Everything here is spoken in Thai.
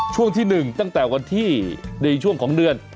ช่วงที่๑ตั้งแต่วันที่ในช่วงของเดือน